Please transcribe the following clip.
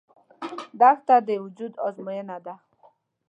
دښته د وجود ازموینه ده.